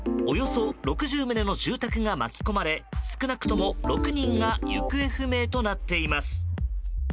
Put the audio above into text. およそ６０棟の住宅が巻き込まれ少なくとも６人が行方不明となっています。